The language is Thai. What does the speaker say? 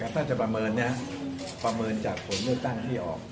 ถ้าจะประเมินประเมินจากผลเลือกตั้งที่ออก